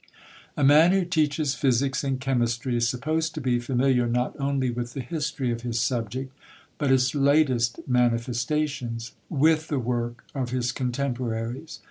A man who teaches physics and chemistry is supposed to be familiar not only with the history of his subject, but its latest manifestations; with the work of his contemporaries.